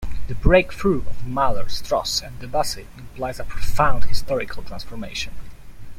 The "breakthrough" of Mahler, Strauss, and Debussy implies a profound historical transformation ...